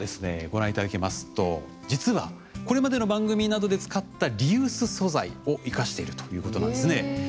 ご覧いただきますと実はこれまでの番組などで使ったリユース素材を生かしているということなんですね。